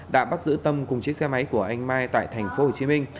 đã bắt giữ tâm cùng chiếc xe máy của anh mai tại thành phố hồ chí minh